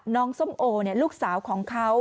น้องส้มโอเนี่ยลูกสาวของเขา